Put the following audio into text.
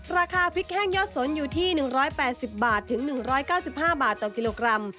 ราคาพริกแห้งยอดสนอยู่ที่๑๘๐บาทถึง๑๙๕บาทต่อกิโลกรัม